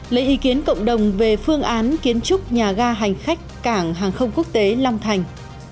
lấy ý kiến cộng đồng về phương án kiến trúc nhà ga hành khách cảng hàng không quốc tế long thành